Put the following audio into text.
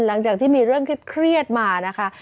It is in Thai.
หลังจากที่มีเรื่องเครียดมานะคะ